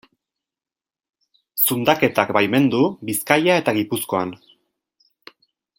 Zundaketak baimendu Bizkaia eta Gipuzkoan.